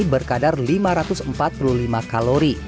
berkadar lima ratus empat puluh lima kalori